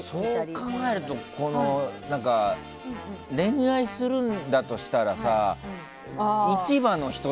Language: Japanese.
そう考えると恋愛するんだとしたらさ